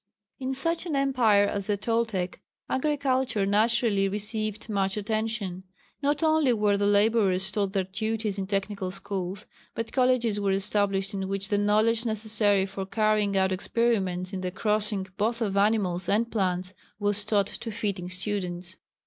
In such an empire as the Toltec, agriculture naturally received much attention. Not only were the labourers taught their duties in technical schools, but colleges were established in which the knowledge necessary for carrying out experiments in the crossing both of animals and plants, were taught to fitting students.